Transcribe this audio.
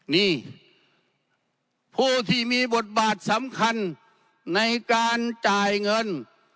นี่ผู้ที่มีบทบาทสำคัญในการจ่ายเงิน